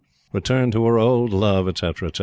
return to her old love, etc., etc.